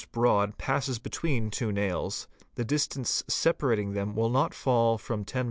broad passes between two nails, the distance separating them will not fall from 10mm.